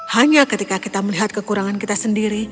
hanya ketika kita melihat kekurangan kita sendiri